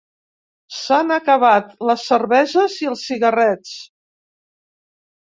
S'han acabat les cerveses i els cigarrets.